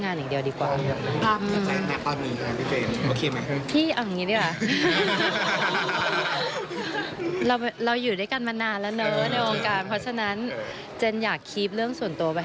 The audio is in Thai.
หลายคนก็เดาไปต่อไปถ้าเดาแล้วไม่เป็นปัญหา